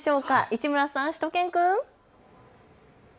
市村さん、しゅと犬くん。